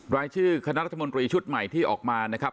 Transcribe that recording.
รายชื่อคณะรัฐมนตรีชุดใหม่ที่ออกมานะครับ